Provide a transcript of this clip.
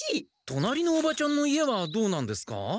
隣のおばちゃんの家はどうなんですか？